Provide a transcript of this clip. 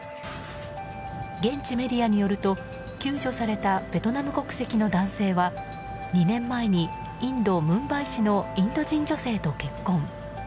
現地メディアによると救助されたベトナム国籍の男性は２年前にインド・ムンバイ市のインド人女性と結婚。